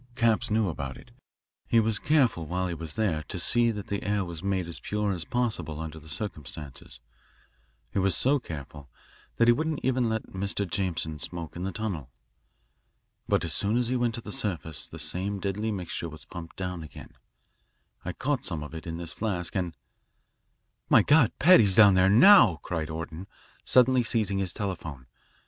Capps knew about it. He was careful while he was there to see that the air was made as pure as possible under the circumstances. He was so careful that he wouldn't even let Mr. Jameson smoke in the tunnel. But as soon as he went to the surface, the same deadly mixture was pumped down again I caught some of it in this flask, and " "My God, Paddy's down there now," cried Orton, suddenly seizing his telephone.